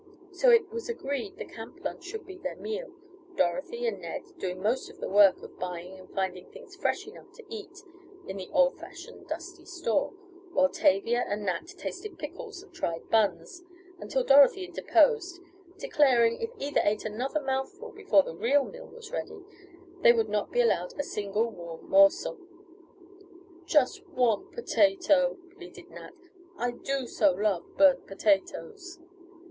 So it was agreed the camp lunch should be their meal, Dorothy and Ned doing most of the work of buying and finding things fresh enough to eat in the old fashioned dusty store, while Tavia and Nat tasted pickles and tried buns, until Dorothy interposed, declaring if either ate another mouthful before the real meal was ready they would not be allowed a single warm morsel. "Just one potato," pleaded Nat. "I do so love burnt potatoes."